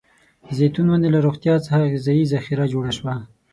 د زیتون ونې له روغتيا څخه غذايي ذخیره جوړه شوه.